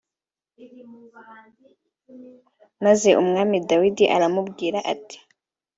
maze Umwami Dawidi aramubwira ati